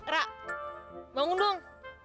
ra bangun dong